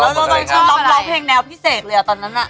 ร้องเพลงแนวพี่เสกเลยอะตอนนั้น